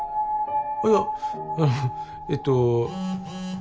いやあのえっと。